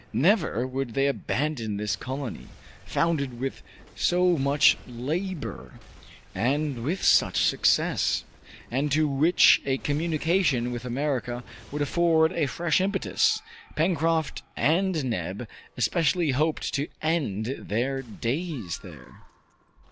Never would they abandon this colony, founded with so much labor and with such success, and to which a communication with America would afford a fresh impetus. Pencroft and Neb especially hoped to end their days there.